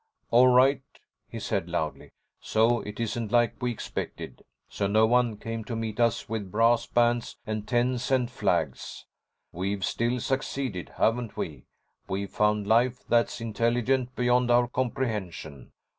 "All right," he said loudly, "so it isn't like we expected. So no one came to meet us with brass bands and ten cent flags. We've still succeeded, haven't we? We've found life that's intelligent beyond our comprehension.